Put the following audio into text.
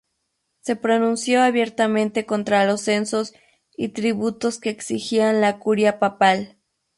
Se pronunció abiertamente contra los censos y tributos que exigían la curia papal.